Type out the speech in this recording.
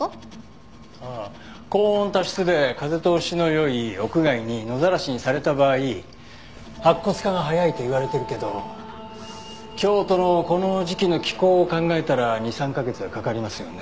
高温多湿で風通しの良い屋外に野ざらしにされた場合白骨化が早いといわれてるけど京都のこの時期の気候を考えたら２３カ月はかかりますよね。